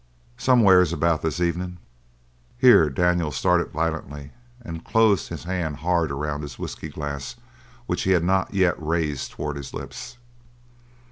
"Somewhere's about this evening." Here Daniels started violently and closed his hand hard around his whiskey glass which he had not yet raised towards his lips.